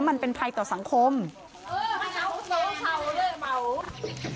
มันเป็นภัยต่อสังคม